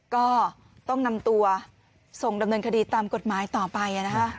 ก็ต้องนำตัวส่งดำเนินคดีตามกฎหมายต่อไปนะคะ